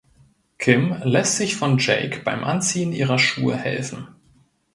Kim lässt sich von Jake beim Anziehen ihrer Schuhe helfen.